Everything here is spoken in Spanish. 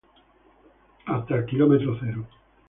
Hasta el km.